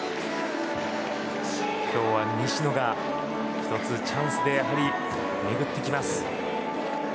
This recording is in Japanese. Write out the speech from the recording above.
今日は西野が１つチャンスで巡ってきます。